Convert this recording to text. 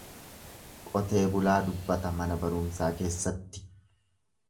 Qotee bulaa dubbata mana barumsaa keessatti.